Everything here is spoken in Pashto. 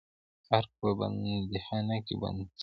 ارګ په بندیخانه کې بندي شوم.